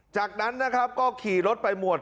จากนั้นนะครับก็ขี่รถไปหมวด